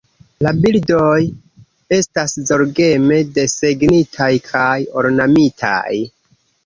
La bildoj estas zorgeme desegnitaj kaj ornamitaj.